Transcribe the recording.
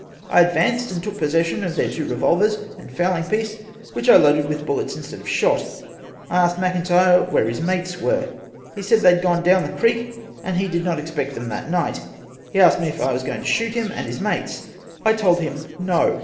I advanced and took possession of their two revolvers and fowling piece which I loaded with bullets instead of shot. I asked McIntyre where his mates was he said they had gone down the creek, and he did not expect them that night he asked me was I going to shoot him and his mates. I told him no.